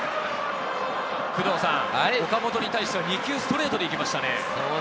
岡本に対して２球ストレートでいきましたね。